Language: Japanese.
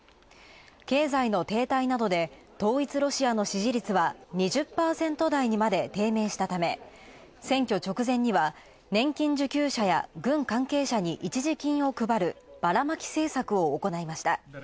経済の停滞などで、統一ロシアの支持率は、２０％だいにまで低迷したため、選挙直前には、年金受給者や軍関係者に一時金を配るバラマキ政策をおこないました。